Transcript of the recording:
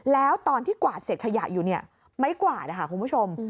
แล้วตอนที่กวาดเศษขยะอยู่ไม่กวาดคุณผู้ชม